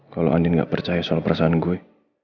kalo andien gak percaya soal perasaan gue